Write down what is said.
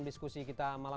terima kasih banyak banyak